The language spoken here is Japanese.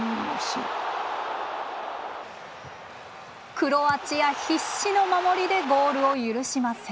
クロアチア必死の守りでゴールを許しません。